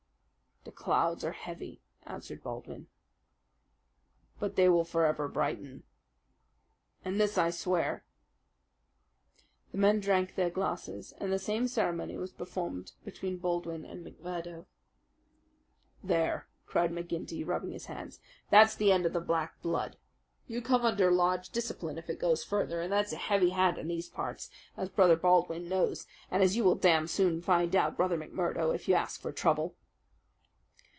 "The clouds are heavy," answered Baldwin "But they will forever brighten." "And this I swear!" The men drank their glasses, and the same ceremony was performed between Baldwin and McMurdo "There!" cried McGinty, rubbing his hands. "That's the end of the black blood. You come under lodge discipline if it goes further, and that's a heavy hand in these parts, as Brother Baldwin knows and as you will damn soon find out, Brother McMurdo, if you ask for trouble!"